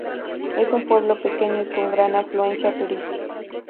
Es un pueblo pequeño y con gran afluencia turística.